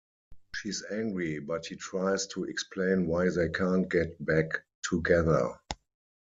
She's angry but he tries to explain why they can't get back together.